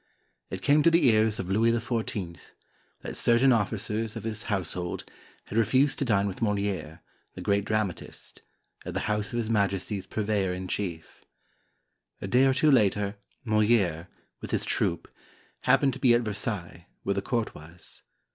It came to the ears of Louis XIV that certain oflEicers of his household had refused to dine with Moliere, the great dramatist, at the house of his majesty's purveyor in chief. A day or two later, Moliere, with his troupe, happened to be at Versailles, where the court was.